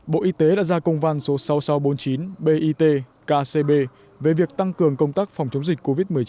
bộ y tế đã ra công văn số sáu nghìn sáu trăm bốn mươi chín bit kcb về việc tăng cường công tác phòng chống dịch covid một mươi chín